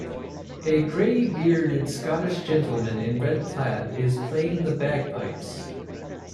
A gray bearded scottish gentleman in red plaid is playing the bagpipes.